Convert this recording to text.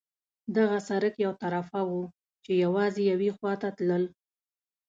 دغه سړک یو طرفه وو، چې یوازې یوې خوا ته تلل.